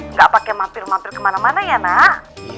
nggak pakai mampir mampir kemana mana ya nak